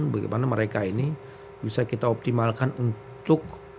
bagaimana mereka ini bisa kita optimalkan untuk